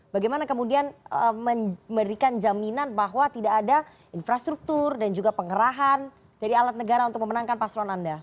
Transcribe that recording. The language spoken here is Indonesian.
bagaimana kemudian memberikan jaminan bahwa tidak ada infrastruktur dan juga pengerahan dari alat negara untuk memenangkan paslon anda